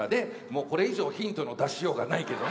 もうこれ以上ヒントの出しようがないけどね。